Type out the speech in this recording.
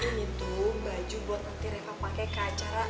ini tuh baju buat nanti reva pake ke acara